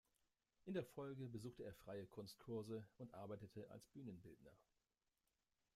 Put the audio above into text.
In der Folge besuchte er freie Kunstkurse und arbeitete als Bühnenbildner.